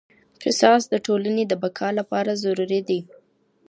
قصاص د ټولني د بقا لپاره ضروري دی.